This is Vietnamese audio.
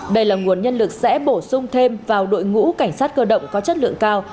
đây là nguồn nhân lực sẽ bổ sung thêm vào đội ngũ cảnh sát cơ động có chất lượng cao